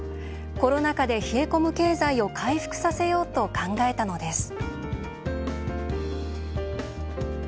コロナ禍で冷え込む経済を回復させようと考えたのです。